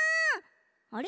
あれ？